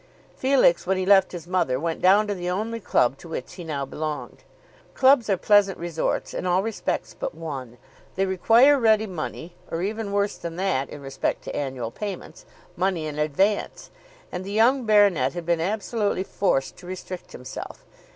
Felix, when he left his mother, went down to the only club to which he now belonged. Clubs are pleasant resorts in all respects but one. They require ready money, or even worse than that in respect to annual payments, money in advance; and the young baronet had been absolutely forced to restrict himself.